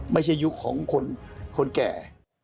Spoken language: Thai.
ไม่ใช่ยุคของคนแก่